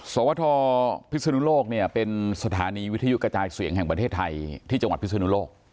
สวทพิศนุโลกเนี่ยเป็นสถานีวิทยุกระจายเสียงแห่งประเทศไทยที่จังหวัดพิศนุโลก